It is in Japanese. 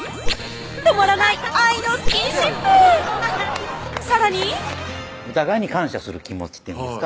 止まらない愛のスキンシップさらにお互いに感謝する気持ちっていうんですか